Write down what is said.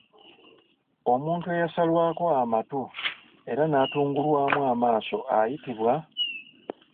Omuntu eyasalwako amatu era n'atungulwamu amaaso ayitibwa?